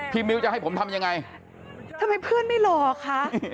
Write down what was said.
มิ้วจะให้ผมทำยังไงทำไมเพื่อนไม่รอคะ